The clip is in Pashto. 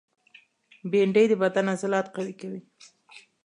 بېنډۍ د بدن عضلات قوي کوي